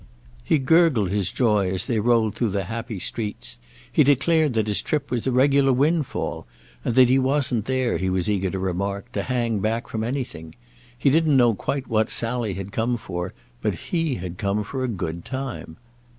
He gurgled his joy as they rolled through the happy streets; he declared that his trip was a regular windfall, and that he wasn't there, he was eager to remark, to hang back from anything: he didn't know quite what Sally had come for, but he had come for a good time.